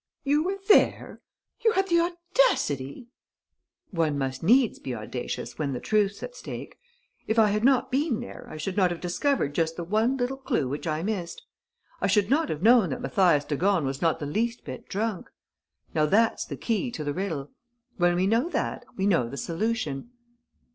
"You were there? You had the audacity?..." "One must needs be audacious, when the truth's at stake. If I had not been there, I should not have discovered just the one little clue which I missed. I should not have known that Mathias de Gorne was not the least bit drunk. Now that's the key to the riddle. When we know that, we know the solution."